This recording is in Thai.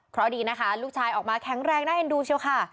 เพราะดีนะคะลูกชายออกมาแข็งแรงน่าเอ็นดูเชียวค่ะ